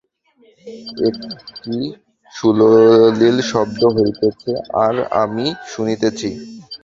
একটি সুললিত শব্দ হইতেছে, আর আমি শুনিতেছি।